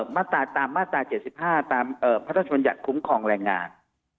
มาตราตามมาตรา๗๕ตามพระทศมนต์หยัดคุ้มของแรงงาน